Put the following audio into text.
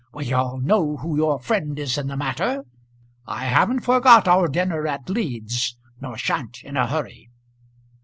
We all know who your friend is in the matter. I haven't forgot our dinner at Leeds, nor sha'n't in a hurry."